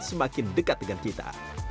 semakin dekat dengan kita